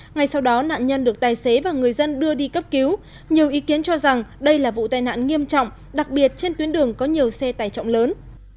ngay sau đó nạn nhân được tài xế và người dân đưa đi cấp cứu nhiều ý kiến cho rằng đây là vụ tai nạn nghiêm trọng đặc biệt trên tuyến đường có nhiều xe tải trọng lớn